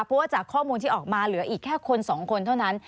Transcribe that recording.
เพราะว่าจากข้อมูลที่ออกมาเหลืออีกแค่คนสองคนเท่านั้น